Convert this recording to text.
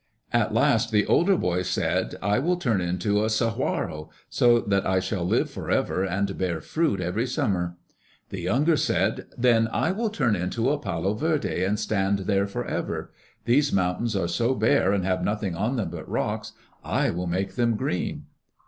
At last the older boy said, "I will turn into a saguaro, so that I shall live forever and bear fruit every summer." The younger said, "Then I will turn into a palo verde and stand there forever. These mountains are so bare and have nothing on them but rocks, I will make them green."